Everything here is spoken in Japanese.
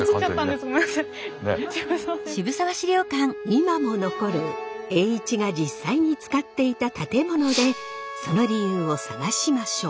今も残る栄一が実際に使っていた建物でその理由を探しましょう。